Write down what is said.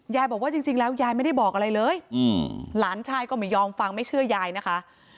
บอกว่าจริงแล้วยายไม่ได้บอกอะไรเลยหลานชายก็ไม่ยอมฟังไม่เชื่อยายนะคะ